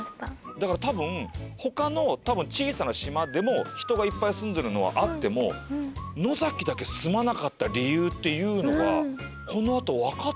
だから他の多分小さな島でも人がいっぱい住んでるのはあっても野崎だけ住まなかった理由っていうのがこのあと分かってくるのかな。